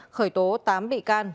khởi tố tám bị can